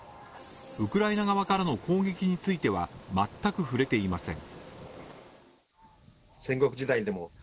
ウクライナ側からの攻撃については全く触れていません。